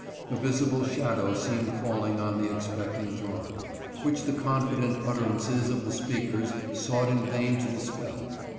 A visible shadow seemed falling on the expecting throng, which the confident utterances of the speakers sought in vain to dispel.